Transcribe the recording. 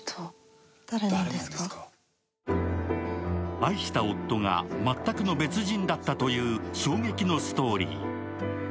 愛した夫が全くの別人だったという衝撃のストーリー。